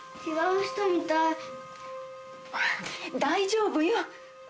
大丈夫よ。